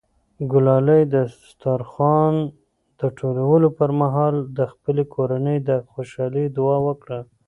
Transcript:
ګلالۍ د دسترخوان د ټولولو پر مهال د خپلې کورنۍ د خوشحالۍ دعا وکړه.